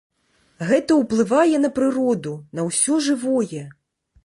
Гэта ўплывае на прыроду, на ўсё жывое.